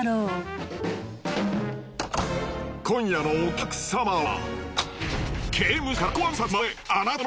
今夜のお客様は。